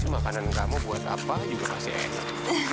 makanan kamu buat apa juga pasti enak